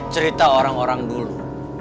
cerita orang orang dulu